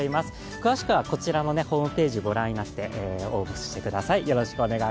詳しくはこちらのホームページをご覧になって応募してください。